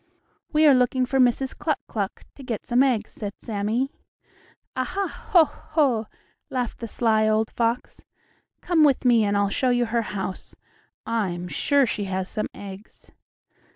"We are looking for Mrs. Cluck Cluck, to get some eggs," said Sammie. "Ah, ha! Ho! ho!" laughed the sly old fox. "Come with me and I'll show you her house. I'm sure she has some eggs."